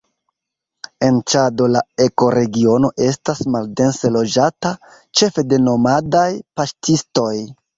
En Ĉado la ekoregiono estas maldense loĝata, ĉefe de nomadaj paŝtistoj.